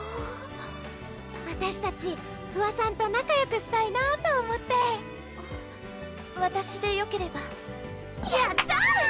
わたしたち芙羽さんと仲よくしたいなぁと思ってわたしでよければやった！